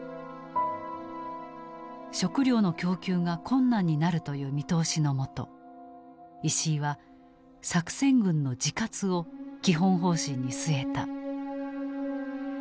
食糧の供給が困難になるという見通しのもと石井は「作戦軍の自活」を基本方針に据えた。